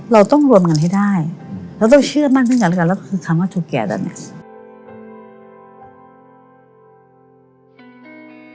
เราต้องรวมกันให้ได้เราต้องเชื่อมั่นขึ้นกันแล้วก็คือคำว่าจูแก่ดังนี้